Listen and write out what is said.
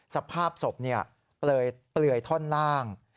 สภาพศพเปลือยท่อนล่าง